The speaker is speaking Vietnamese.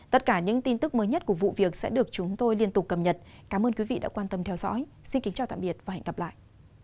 tất cả những tin tức mới nhất của vụ việc sẽ được chúng tôi liên tục cập nhật cảm ơn quý vị đã quan tâm theo dõi xin kính chào tạm biệt và hẹn gặp lại